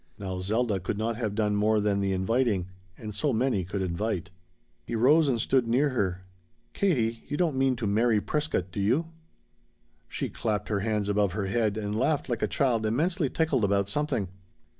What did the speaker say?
Now Zelda could not have done more than the inviting and so many could invite. He rose and stood near her. "Katie, you don't mean to marry Prescott, do you?" She clapped her hands above her head and laughed like a child immensely tickled about something.